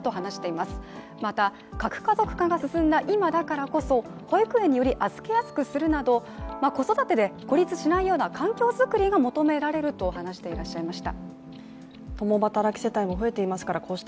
また、核家族化が進んだ今だからこそ保育園により預けやすくするなど子育てで孤立しないような環境作りが求められると話していらっしゃいました。